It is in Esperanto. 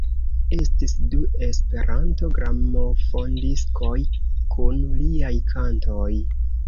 Estis du E-gramofondiskoj kun liaj kantoj.